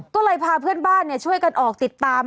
ก็เลยพาเพื่อนบ้านช่วยกันออกติดตาม